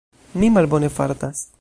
Mi malbone fartas.